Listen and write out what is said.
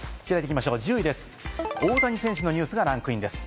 １０位です、大谷選手のニュースがランクインです。